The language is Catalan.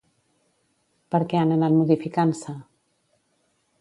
Per què han anat modificant-se?